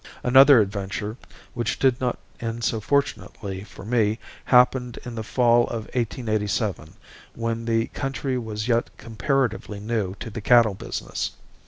Another adventure, which did not end so fortunately for met happened in the fall of I 887 when the country was yet comparatively new to the cattle business.